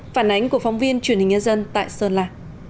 phản ánh của phóng viên truyền hình nhân dân tại sơn la